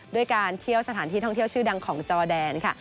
ด้วยการเที่ยวสถานที่ท่องเที่ยวชื่อดังของจอแดนค่ะ